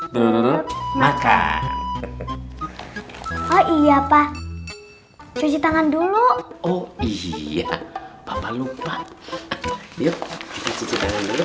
menurut makan oh iya teh cuci tangan dulu oh iya papa lupa yuk cuci tangan dulu